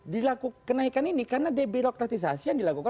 dilakukan kenaikan ini karena debirokratisasi yang dilakukan